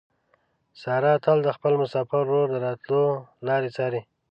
ساره تل د خپل مسافر ورور د راتلو لارې څاري.